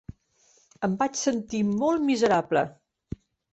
Em vaig sentir molt miserable.